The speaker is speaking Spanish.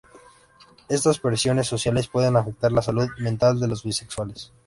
Estas presiones sociales pueden afectar la salud mental de los bisexuales.